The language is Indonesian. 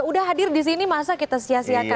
udah hadir di sini masa kita sia siakan